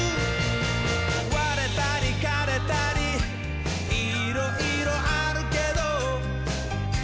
「われたりかれたりいろいろあるけど」